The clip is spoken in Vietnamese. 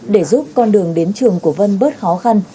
để giúp con đường đến trường của vân bớt khó khăn